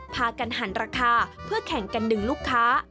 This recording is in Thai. พากันหันราคาเพื่อแข่งกันดึงลูกค้า